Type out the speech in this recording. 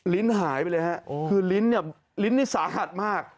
ลิ้นหายไปเลยฮะคือลิ้นเนี่ยลิ้นนี่สาหัสมาก